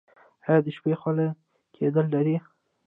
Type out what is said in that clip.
ایا د شپې خوله کیدل لرئ؟